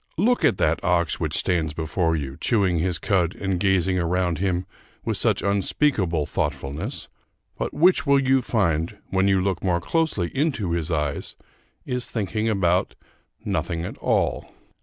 Look at that ox which stands before you, chewing his cud and gazing around him with such unspeakable thoughtfulness but which you will find, when you look more closely into his eyes, is thinking about nothing at all.